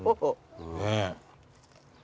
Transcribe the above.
ねえ。